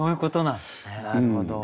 なるほど。